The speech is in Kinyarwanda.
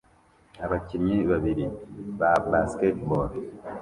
Abakinnyi babiri ba basketball